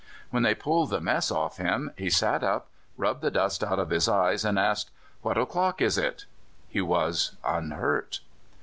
When they pulled the mess off him, he sat up, rubbed the dust out of his eyes, and asked, "What o'clock is it?" He was unhurt.